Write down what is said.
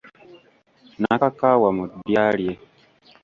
Nnakakaawa mu ddya lye